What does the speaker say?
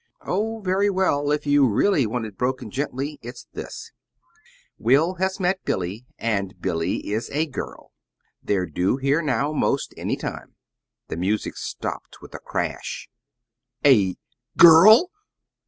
"Oh, very well; if you really want it broken gently, it's this: Will has met Billy, and Billy is a girl. They're due here now 'most any time." The music stopped with a crash. "A GIRL!"